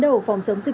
triển khai các chốt